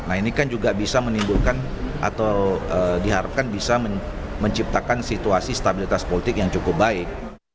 nah ini kan juga bisa menimbulkan atau diharapkan bisa menciptakan situasi stabilitas politik yang cukup baik